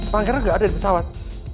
pangeran nggak ada di pesawat